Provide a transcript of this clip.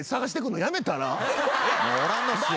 もうおらんのっすよ。